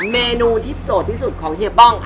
เมนูที่โสดที่สุดของเฮียป้อง